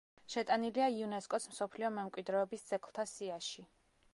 შეტანილია იუნესკოს მსოფლიო მემკვიდრეობის ძეგლთა სიაში.